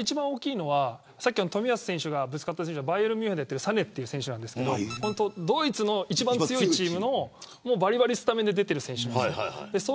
一番大きいのは冨安選手がぶつかったのはバイエルン・ミュンヘンのサネという選手なんですがドイツの一番強いチームのスタメンで出てる選手なんです。